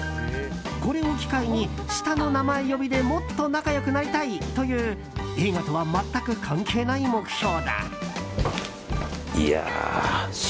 これを機会に下の名前呼びでもっと仲良くなりたいという映画とは全く関係ない目標だ。